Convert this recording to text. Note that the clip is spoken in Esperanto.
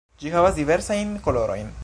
Ĝi havas diversajn kolorojn.